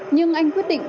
nhưng anh quyết định